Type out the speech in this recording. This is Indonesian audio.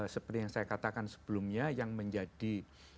seperti yang saya katakan sebelumnya yang menjadi